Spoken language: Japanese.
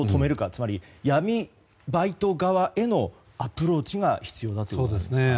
つまり、闇バイト側へのアプローチが必要だということですね。